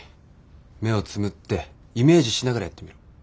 目をつむってイメージしながらやってみろ。